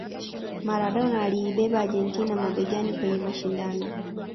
Maradona aliibeba Argentina mabegani kwenye mashindano